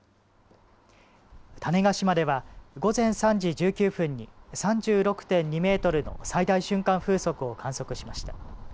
種子島では午前３時１９分に３６．２メートルの最大瞬間風速を観測しました。